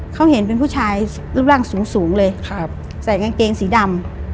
เขาเห็นเป็นผู้ชายรูปร่างสูงสูงเลยครับใส่กางเกงสีดำ